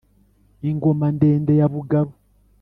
ingoma ndende ya bugabo